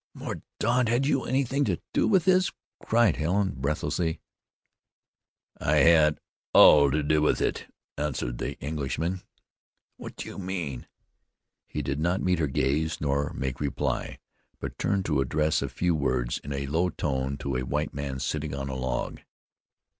"Mordaunt, had you anything to do with this?" cried Helen breathlessly. "I had all to do with it," answered the Englishman. "What do you mean?" He did not meet her gaze, nor make reply; but turned to address a few words in a low tone to a white man sitting on a log.